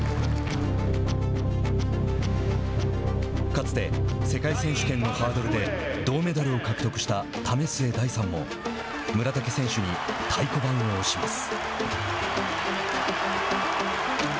かつて、世界選手権のハードルで銅メダルを獲得した為末大さんも村竹選手に太鼓判を押します。